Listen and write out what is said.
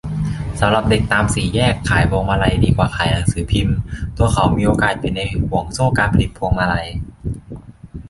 สำหรับเด็กตามสี่แยก ขายพวงมาลัยดีกว่าขายหนังสือพิมพ์ ตัวเขามีโอกาสอยู่ในห่วงโซ่การผลิตพวงมาลัย